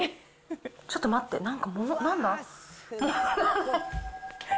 ちょっと待って、なんだ？